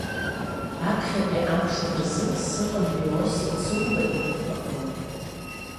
Аԥхьатәи амшқәа рзы сыҟан Лиосик Цыгәба игәыԥ аҟны.